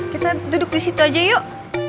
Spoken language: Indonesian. kita duduk di situ aja yuk